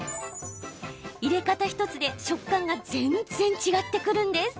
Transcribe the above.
入れ方１つで食感が全然違ってくるんです。